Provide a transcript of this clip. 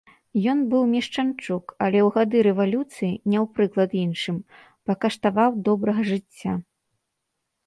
Ён быў мешчанчук, але ў гады рэвалюцыі, не ў прыклад іншым, пакаштаваў добрага жыцця.